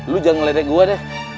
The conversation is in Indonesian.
lu jangan ngeletek gua deh